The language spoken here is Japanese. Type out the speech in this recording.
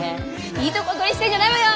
いいとこ取りしてんじゃないわよ！